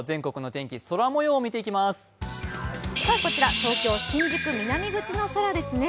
こちら東京・新宿南口の空ですね。